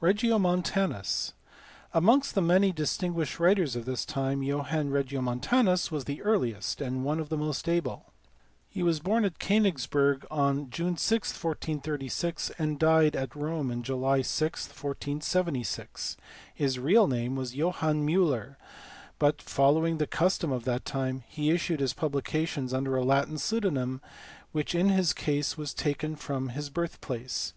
Regiomontanus*. Amongst the many distinguished writers of this time Johann Regiomontanus was the earliest and one of the most able. He was born at Konigsberg on June 6, 1436, and died at Rome on July 6, 1476. His real name was Johannes Muller, but, following the custom of that time, he issued his publications under a Latin pseudonym which in his case was taken from his birthplace.